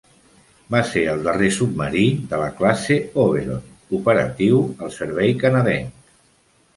Va ser el darrer submarí de la classe "Oberon" operatiu al servei canadenc.